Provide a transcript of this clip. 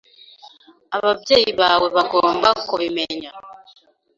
Ababyeyi bawe bagomba kubimenya.